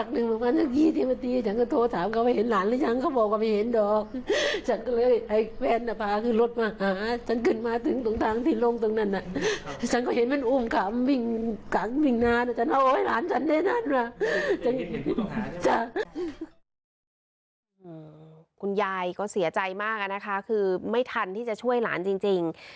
คุณยายก็เสียใจมากนะคะคือไม่ทันที่จะช่วยหลานจริง